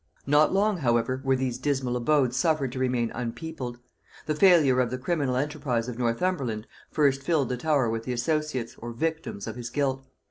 Not long, however, were these dismal abodes suffered to remain unpeopled. The failure of the criminal enterprise of Northumberland first filled the Tower with the associates, or victims, of his guilt.